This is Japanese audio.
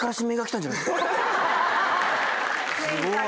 すごい。